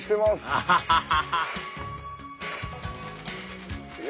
アハハハ！